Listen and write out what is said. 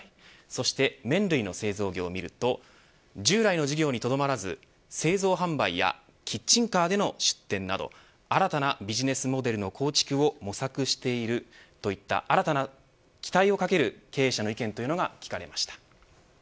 そして麺類の製造業を見ると従来の事業にとどまらず製造販売やキッチンカーでの出店など新たなビジネスモデルの構築を模索しているといった新たな期待をかける経営者の意見というのが聞かれました。